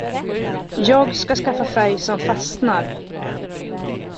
Jag skall skaffa färg som fastnar.